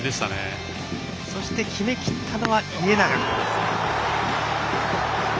そして、決めきったのは家長。